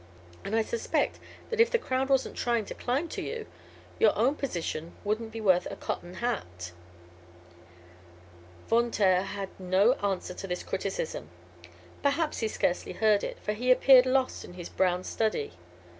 And I suspect that if the crowd wasn't trying to climb to you, your own position wouldn't be worth a cotton hat." Von Taer had no answer to this criticism. Perhaps he scarcely heard it, for he appeared lost in a brown study.